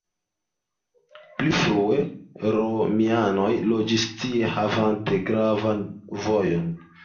Pli frue romianoj loĝis tie havantaj gravan vojon.